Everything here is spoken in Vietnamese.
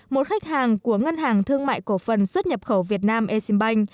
một khách hàng của ngân hàng thương mại cổ phần xuất nhập khẩu việt nam eximbank